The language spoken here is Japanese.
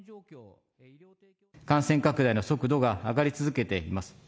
感染拡大の速度が上がり続けています。